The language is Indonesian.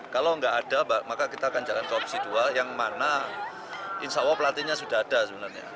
kalau nggak ada maka kita akan jalan ke opsi dua yang mana insya allah pelatihnya sudah ada sebenarnya